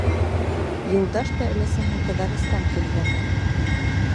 Юлдаш та өләсәһен Ҡыҙырастан көнләмәй.